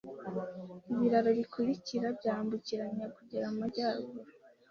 ibiraro bikurikira byambukiranya kugera Amajyaruguru: